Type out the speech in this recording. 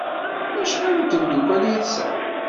Acḥal n tmeddukal ay tesɛam?